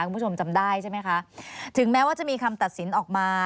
คุณผู้ชมจำได้ใช่ไหมคะถึงแม้ว่าจะมีคำตัดสินออกมา